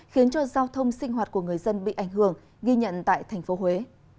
khiến cho giao thông sinh hoạt của người dân bị ảnh hưởng ghi nhận tại thành phố huế